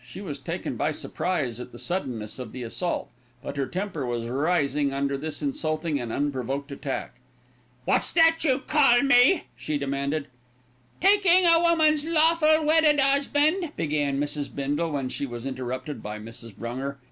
She was taken by surprise at the suddenness of the assault; but her temper was rising under this insulting and unprovoked attack. "What's that you call me?" she demanded. "Taking a woman's lawful wedded 'usband " began Mrs. Bindle, when she was interrupted by Mrs. Brunger.